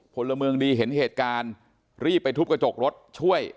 พลเมืองดีเห็นเหตุการณ์รีบไปทุบกระจกรถช่วย